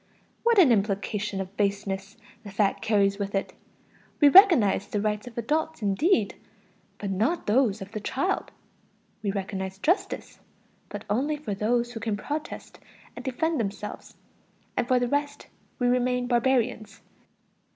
What an implication of baseness the fact carries with it: we recognize the rights of adults indeed, but not those of the child! We recognize justice, but only for those who can protest and defend themselves; and for the rest, we remain barbarians.